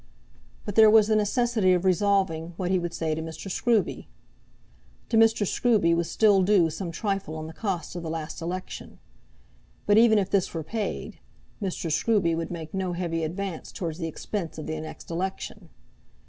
But there was the necessity of resolving what he would say to Mr. Scruby. To Mr. Scruby was still due some trifle on the cost of the last election; but even if this were paid, Mr. Scruby would make no heavy advance towards the expense of the next election.